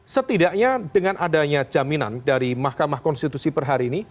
setidaknya dengan adanya jaminan dari mahkamah konstitusi per hari ini